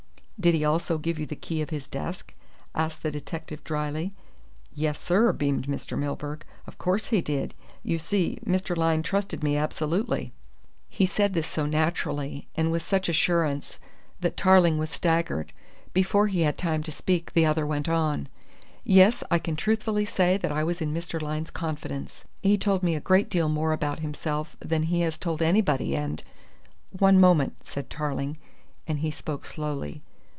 "Did he also give you the key of his desk?" asked the detective dryly. "Yes, sir," beamed Mr. Milburgh, "of course he did! You see, Mr. Lyne trusted me absolutely." He said this so naturally and with such assurance that Tarling was staggered. Before he had time to speak the other went on: "Yes, I can truthfully say that I was in Mr. Lyne's confidence. He told me a great deal more about himself than he has told anybody and " "One moment," said Tarling, and he spoke slowly.